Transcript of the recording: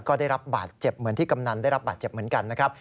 ก็ได้รับบาดเจ็บเหมือนที่กำนันได้รับบาดเจ็บเหมือนกันนะครับ